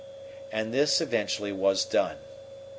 And this, eventually, was done.